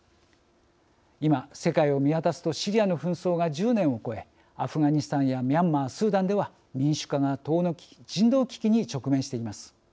今世界を見渡すとシリアの紛争が１０年を超えアフガニスタンやミャンマースーダンでは民主化が遠のき人道危機に直面しています。